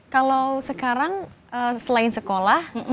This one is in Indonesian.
kalau sekarang selain sekolah